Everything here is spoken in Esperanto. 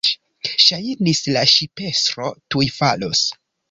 Ŝajnis, la ŝipestro tuj falos.